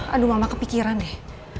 aduh mama kepikiran deh